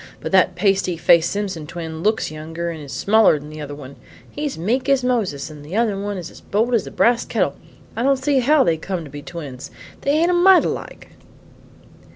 "But that pasty faced Simpson twin looks younger and is smaller than the other one. He's meek as Moses and the other one is as bold as a brass kettle; I don't see how they come to be twins; they ain't a mite alike."